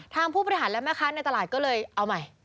ผู้บริหารและแม่ค้าในตลาดก็เลยเอาใหม่